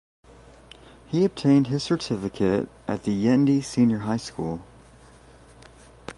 He obtained his certificate at the Yendi Senior High School.